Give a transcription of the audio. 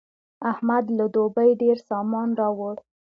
احمد له دوبۍ ډېر سامان راوړ.